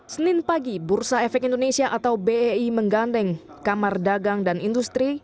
senin pagi bursa efek indonesia atau bei menggandeng kamar dagang dan industri